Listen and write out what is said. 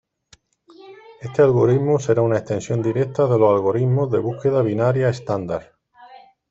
Este algoritmo será una extensión directa de los algoritmos de búsqueda binaria estándar.